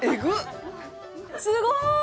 すごい！